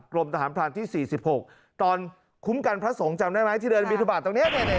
กรมทหารพรานที่๔๖ตอนคุ้มกันพระสงฆ์จำได้ไหมที่เดินบินทบาทตรงนี้